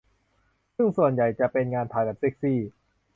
ซึ่งส่วนใหญ่จะเป็นงานถ่ายแบบเซ็กซี่